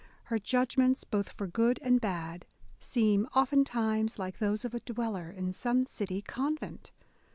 ...Her judgments, both for good and bad, seem oftentimes like those of a dweller in some city convent